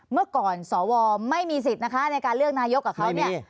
เมื่อก่อนสวไม่มีสิทธิ์นะคะในการเลือกนายกกับเขาเนี่ย